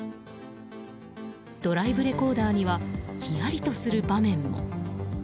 ドライブレコーダーにはひやりとする場面も。